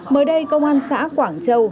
mới đây công an xã quảng châu